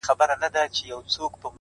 څنگه دي وستايمه’